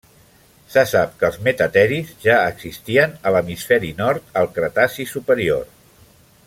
Se sap que els metateris ja existien a l'hemisferi nord al Cretaci superior.